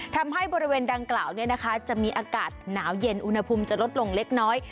ทำให้บริเวณดังกล่าวจะมีอากาศหนาวเย็นอุณหภูมิจะลดลงเล็กน้อย